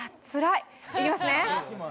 いきますね。